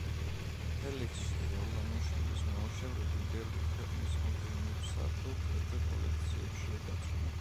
ფელიქს ვარლამიშვილის ნამუშევრები ბევრი ქვეყნის მუზეუმებსა თუ კერძო კოლექციებშია დაცული.